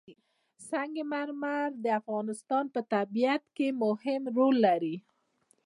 سنگ مرمر د افغانستان په طبیعت کې مهم رول لري.